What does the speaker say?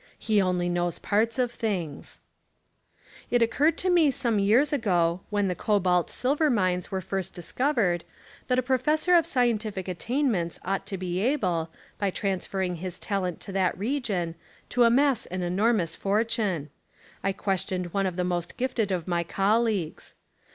He only knows parts of things. It occurred to me some years ago when the Cobalt silver mines were first discovered that a professor of scientific attainments ought to be able, by transferring his talent to that re gion, to amass an enormous fortune. I ques tioned one of the most gifted of my colleagues.